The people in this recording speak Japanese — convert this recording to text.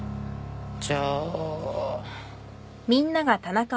じゃあ。